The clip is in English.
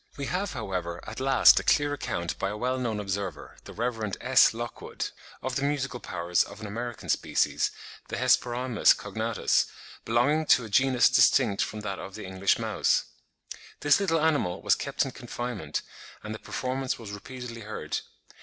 We have, however, at last a clear account by a well known observer, the Rev. S. Lockwood (31. The 'American Naturalist,' 1871, p. 761.), of the musical powers of an American species, the Hesperomys cognatus, belonging to a genus distinct from that of the English mouse. This little animal was kept in confinement, and the performance was repeatedly heard.